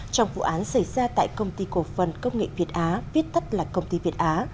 trong vụ án xảy ra tại công ty cổ phần công nghệ việt á viết tắt là công ty việt á